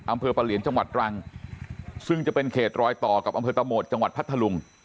อำเภอปะเหลียนจังหวัดตรังซึ่งจะเป็นเขตรอยต่อกับอำเภอตะโหมดจังหวัดพัทธลุง